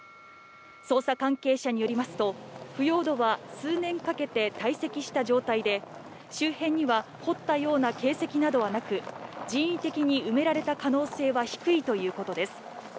捜査関係者によりますと、腐葉土は数年かけて堆積した状態で、周辺には掘ったような形跡などはなく、人為的に埋められた可能性は低いということです。